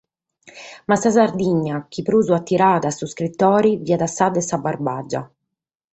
Ma sa Sardigna chi prus atiraiat a s’iscritore fiat sa de sa Barbàgia.